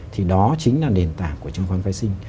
thì đó chính là nền tảng của chứng khoán phái sinh